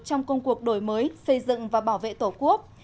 trong công cuộc đổi mới xây dựng và bảo vệ tổ quốc